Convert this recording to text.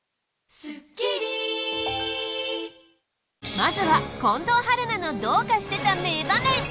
まずは近藤春菜のどうかしてた名場面。